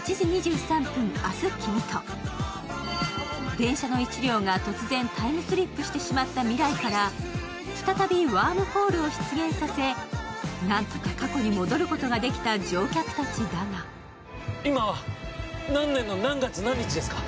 電車の１両が突然タイムスリップしてしまった未来から再びワームホールを出現させ、何とか過去に戻ることができた乗客たちだが今は何年の何月何日ですか？